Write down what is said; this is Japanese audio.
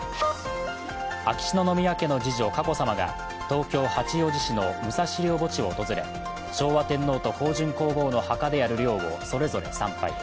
秋篠宮家の次女・佳子さまが東京・八王子市の武蔵陵墓地を訪れ昭和天皇と香淳皇后の墓である陵をそれぞれ参拝。